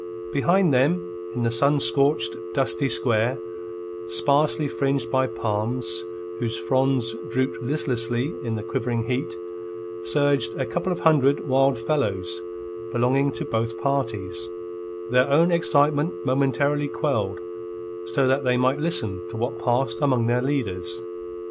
Behind them in the sun scorched, dusty square, sparsely fringed by palms, whose fronds drooped listlessly in the quivering heat, surged a couple of hundred wild fellows belonging to both parties, their own excitement momentarily quelled so that they might listen to what passed among their leaders.